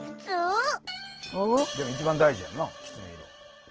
でも一番大事やんなきつね色。